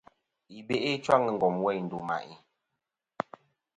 Yi be'i ɨchwaŋ i ngom weyn ndu mà'i.